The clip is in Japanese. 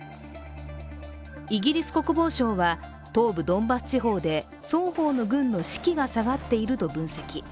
イギリス国防省は、東部ドンバス地方で双方の軍の士気が下がっていると分析。